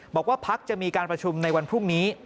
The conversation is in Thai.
บอกว่าพักจะมีการประชุมในวันพรุ่งนี้